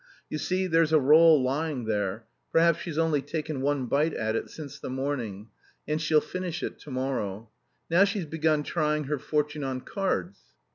You see there's a roll lying there, perhaps she's only taken one bite at it since the morning, and she'll finish it to morrow. Now she's begun trying her fortune on cards...."